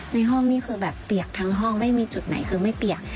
ในห้องนี้คือแบบเปียกทั้งห้องไม่มีจุดไหนคือไม่เปียก